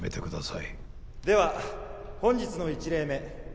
では本日の１例目。